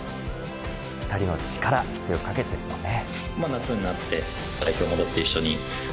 ２人の力必要不可欠ですもんね。